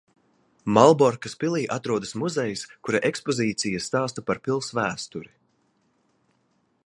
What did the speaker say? Malborkas pilī atrodas muzejs, kura ekspozīcija stāsta par pils vēsturi.